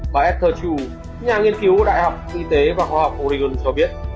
bà esther chu nhà nghiên cứu đại học y tế và khoa học oregon cho biết